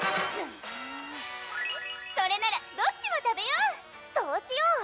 「それならどっちも食べよう」「そうしよう」